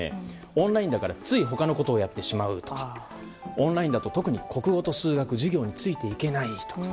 オンラインだからつい他のことをやってしまうとかオンラインだと国語と数学の授業についていけないとか。